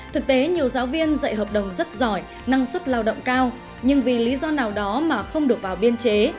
thực tế nhiều giáo viên dạy hợp đồng rất giỏi năng suất lao động cao nhưng vì lý do nào đó mà không được vào biên chế